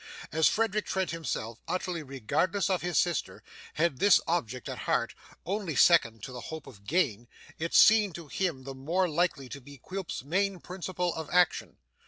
As Frederick Trent himself, utterly regardless of his sister, had this object at heart, only second to the hope of gain, it seemed to him the more likely to be Quilp's main principle of action.